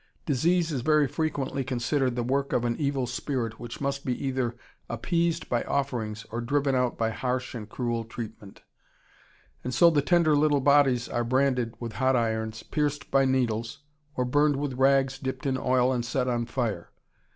Disease is very frequently considered the work of an evil spirit which must either be appeased by offerings or driven out by harsh and cruel treatment. And so the tender little bodies are branded with hot irons, pierced by needles, or burned with rags dipped in oil and set on fire.